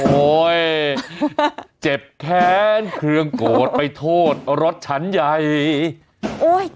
โอ้ยเจ็บแค้นเครื่องโกรธไปโทษรถชั้นใหญ่โอ้ย